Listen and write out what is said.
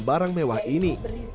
barang mewah ini